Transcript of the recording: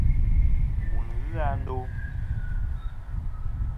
Wù n-ghɨ a ndo.